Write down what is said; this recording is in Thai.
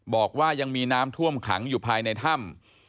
บอกว่ายังมีน้ำท่วมขังอยู่ภายในถ้ำ